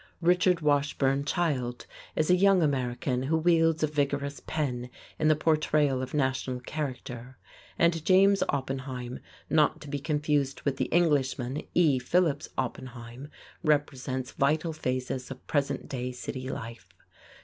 Richard Washburn Child is a young American who wields a vigorous pen in the portrayal of national character, and James Oppenheim, not to be confused with the Englishman, E. Phillips Oppenheim, represents vital phases of present day city life.